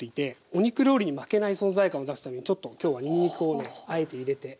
お肉料理に負けない存在感を出すためにちょっと今日はにんにくをねあえて入れて。